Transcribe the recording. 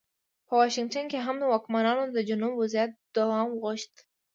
په واشنګټن کې هم واکمنانو د جنوب وضعیت دوام غوښت.